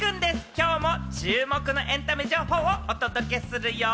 今日も注目のエンタメ情報をお届けするよ。